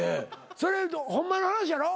それホンマの話やろ？